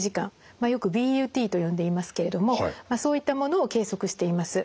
よくＢＵＴと呼んでいますけれどもそういったものを計測しています。